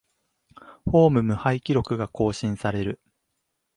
ホーム無敗記録が更新される